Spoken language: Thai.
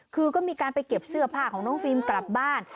คือก็มีการไปเก็บเสื้อผ้าของน้องฟิล์มกลับบ้าน